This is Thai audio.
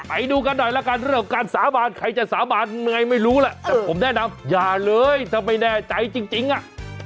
ไปดูกันหน่อยละกันเรื่องของการสาบานใครจะสาบานเหนื่อยไม่รู้แหละแต่ผมแนะนำอย่าเลยถ้าไม่แน่ใจจริงอ่ะ